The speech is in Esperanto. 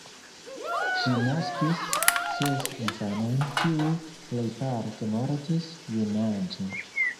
Ŝi naskis ses infanojn, kiuj plejparte mortis junaĝe.